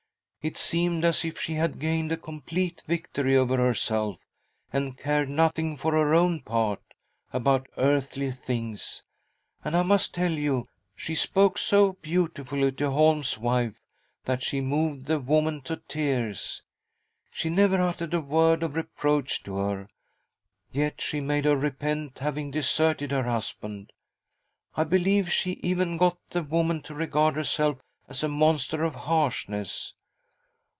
It seemed as if she had gained a complete victory over herself, and cared nothing, for her own part, about earthly things. And, I must tell you, she spoke so beauti fully to Holm's wife that she moved the woman to 1 . 96 THY SOUL SHALL BEAR WITNESS ! tears. She never uttered a word of reproach to her, yet she made her repent having deserted her husband. I believe she even got the woman to regard herself as a monster of harshness